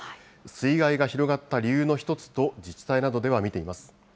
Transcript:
水害が広がった理由の一つと自治体などでは見ています。